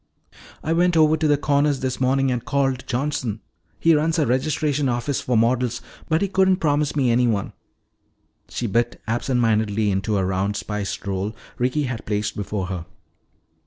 I went over to the Corners this morning and called Johnson he runs a registration office for models but he couldn't promise me anyone." She bit absent mindedly into a round spiced roll Ricky had placed before her.